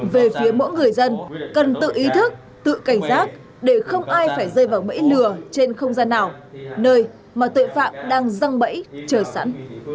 về phía mỗi người dân cần tự ý thức tự cảnh giác để không ai phải rơi vào bẫy lừa trên không gian nào nơi mà tội phạm đang răng bẫy chờ sẵn